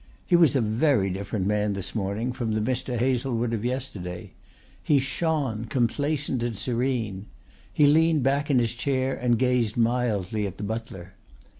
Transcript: He was a very different man this morning from the Mr. Hazlewood of yesterday. He shone, complacent and serene. He leaned back in his chair and gazed mildly at the butler.